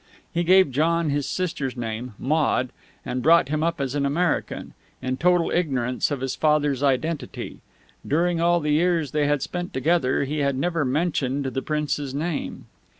He gave John his sister's name, Maude, and brought him up as an American, in total ignorance of his father's identity. During all the years they had spent together, he had never mentioned the Prince's name.